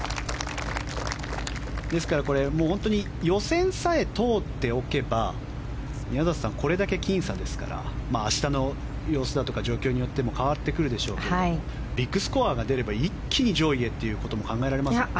ですから本当に予選さえ通っておけば宮里さん、これだけ僅差ですから明日の様子とか状況によっても変わってくるでしょうがビッグスコアが出れば一気に上位へということも考えられますよね。